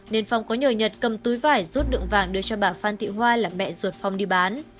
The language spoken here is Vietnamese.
nên phong có nhờ nhật cầm túi vải rút lượng vàng đưa cho bà phan thị hoa là mẹ ruột phong đi bán